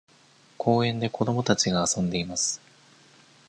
公園で子供たちが遊んでいます。